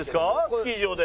スキー場で。